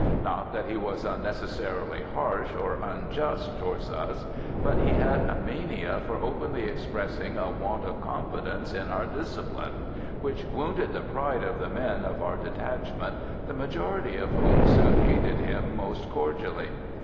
Not that he was unnecessarily harsh or unjust towards us, but he had a mania for openly expressing a want of confidence in our discipline, which wounded the pride of the men of our detachment, the majority of whom soon hated him most cordially.